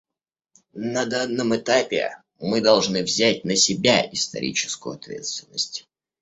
На данном этапе мы должны взять на себя историческую ответственность.